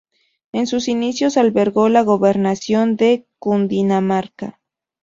En sus inicios albergó la Gobernación de Cundinamarca.